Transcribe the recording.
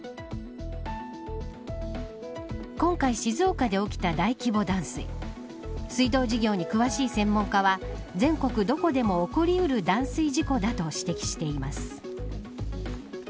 今回、静岡で起きた大規模断水水道事業に詳しい専門家は全国どこでも起こり得る断水事故だと指摘しています。